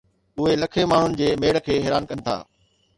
اهي لکين ماڻهن جي ميڙ کي حيران ڪن ٿا